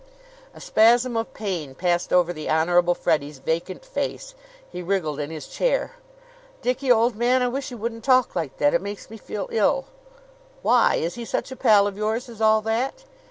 A spasm of pain passed over the Honorable Freddie's vacant face. He wriggled in his chair. "Dickie, old man, I wish you wouldn't talk like that. It makes me feel ill." "Why, is he such a pal of yours as all that?"